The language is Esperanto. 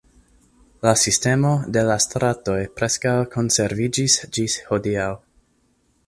La sistemo de la stratoj preskaŭ konserviĝis ĝis hodiaŭ.